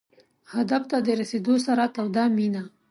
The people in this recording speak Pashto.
هدف ته د رسېدو سره توده مینه.